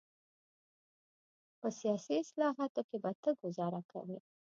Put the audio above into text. په سیاسي اصطلاحاتو کې به ته ګوزاره کوې.